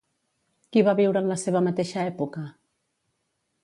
Qui va viure en la seva mateixa època?